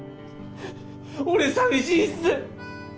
俺寂しいっす！